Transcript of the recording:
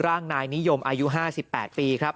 ร่างนายนิยมอายุ๕๘ปีครับ